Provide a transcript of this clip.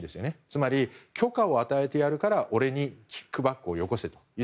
つまり、許可を与えるから俺にキックバックをよこせと。